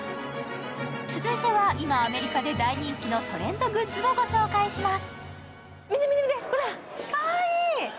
続いては、今アメリカで大人気のトレンドグッズをご紹介します。